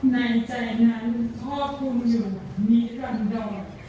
ในใจนั้นพ่อคุ้มอยู่นี้กันดอด